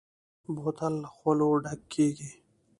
بوتل له خولو ډک کېږي.